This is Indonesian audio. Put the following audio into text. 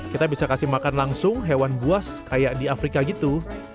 kita bisa kasih makan langsung hewan buas kayak di afrika gitu